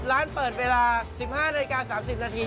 ร้านเปิดเวลา๑๕นาฬิกา๓๐นาที